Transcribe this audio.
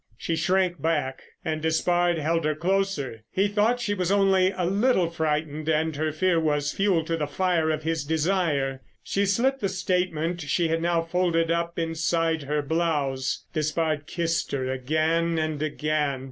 She shrank back, and Despard held her closer. He thought she was only a little frightened—and her fear was fuel to the fire of his desire. She slipped the statement she had now folded up inside her blouse. Despard kissed her again and again.